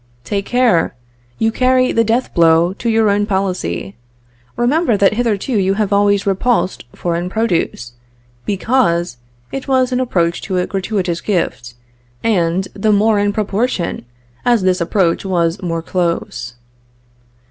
"Take care, you carry the death blow to your own policy. Remember that hitherto you have always repulsed foreign produce, because it was an approach to a gratuitous gift, and the more in proportion as this approach was more close.